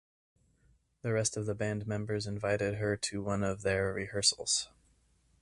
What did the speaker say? The rest of the band members invited her to one of their rehearsals.